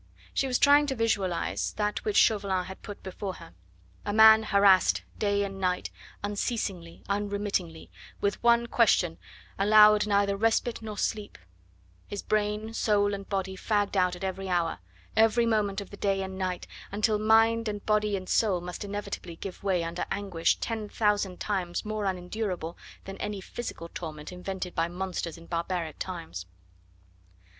She was trying to visualise that which Chauvelin had put before her: a man harassed day and night, unceasingly, unremittingly, with one question allowed neither respite nor sleep his brain, soul, and body fagged out at every hour, every moment of the day and night, until mind and body and soul must inevitably give way under anguish ten thousand times more unendurable than any physical torment invented by monsters in barbaric times.